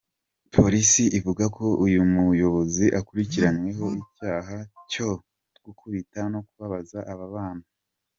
Police ivuga ko uyu muyobozi akurikiranyweho icyaha cyo gukubita no kubabaza aba bana.